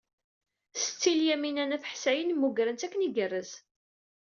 Setti Lyamina n At Ḥsayen mmugren-tt akken igerrez.